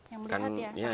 yang melihat ya saksi